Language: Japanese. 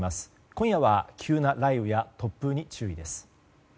今夜は急な雷雨や突風に注意です。